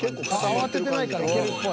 慌ててないからいけるっぽい。